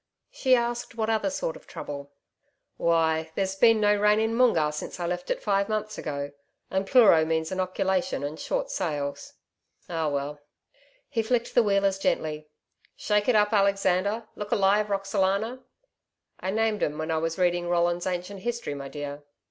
She asked what other sort of trouble. 'Why! there's been no rain at Moongarr since I left it five months ago. And Pleuro means innoculation and short sales.... Ah well! ...' He flicked the wheelers gently. 'Shake it up, Alexander! Look alive, Roxalana.... I named 'em when I was reading ROLLIN'S ANCIENT HISTORY, my dear